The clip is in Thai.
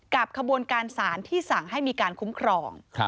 ขบวนการสารที่สั่งให้มีการคุ้มครอง